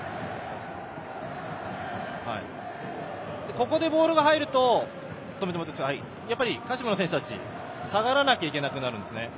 ここでボールが入るとやっぱり鹿島の選手たち下がらなきゃいけなくなるんです。